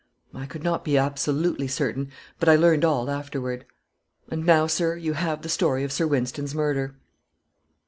I could not be absolutely certain, but I learned all afterward. And now, sir, you have the story of Sir Wynston's murder."